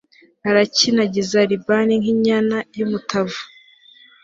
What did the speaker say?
arakinagiza libani nk'inyana y'umutavu